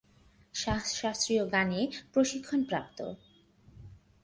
শাহ শাস্ত্রীয় গানে প্রশিক্ষণপ্রাপ্ত।